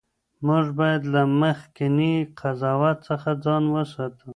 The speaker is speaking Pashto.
موږ باید له مخکني قضاوت څخه ځان وساتو.